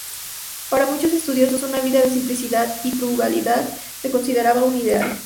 Para muchos estudiosos, una vida de simplicidad y frugalidad se consideraba un ideal.